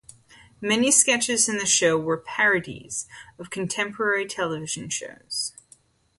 Many sketches in the show were parodies of contemporary television shows.